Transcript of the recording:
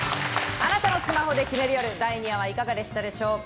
貴方のスマホで決める夜第２夜はいかがでしたでしょうか。